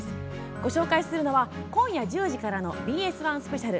ご紹介するのは今夜１０時からのＢＳ１スペシャル